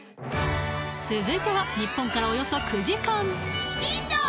続いては日本からおよそ９時間